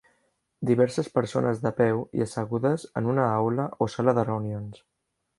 Diverses persones de peu i assegudes en una aula o sala de reunions